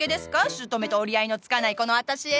しゅうとめと折り合いのつかないこの私への！